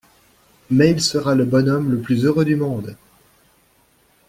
Mais il sera le bonhomme le plus heureux du monde!